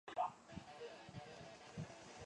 他曾效力于意乙球队维琴察足球俱乐部。